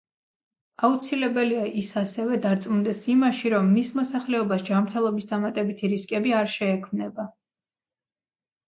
აუცილებელია, ის ასევე დარწმუნდეს იმაში, რომ მის მოსახლეობას ჯანმრთელობის დამატებითი რისკები არ შეექმნება.